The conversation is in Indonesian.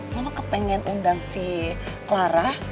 mama kepengen undang si clara